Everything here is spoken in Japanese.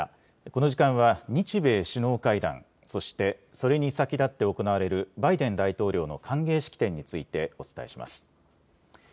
この時間は日米首脳会談、そしてそれに先立って行われるバイデン大統領の歓迎式典についてお伝えします。